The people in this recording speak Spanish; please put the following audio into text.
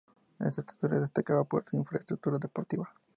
Esta estructura destacaba por su infraestructura deportiva.